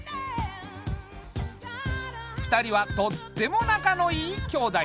２人はとってもなかのいい兄妹。